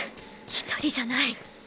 一人じゃない